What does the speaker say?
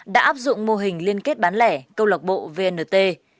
đã áp dụng mô hình liên kết bán lẻ câu lạc bộ vnt